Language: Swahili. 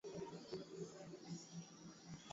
Kuji funza ni bora sababu niya muimu